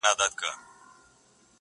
زه د خپل زړه په تیارو کې سلطنت یم